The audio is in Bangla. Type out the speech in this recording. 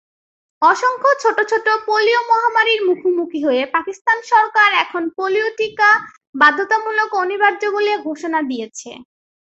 অসংখ্য ছোট ছোট পোলিও মহামারীর মুখোমুখি হয়ে পাকিস্তান সরকার এখন পোলিও টিকা বাধ্যতামূলক ও অনিবার্য বলে ঘোষণা দিয়েছে।